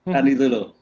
dan itu loh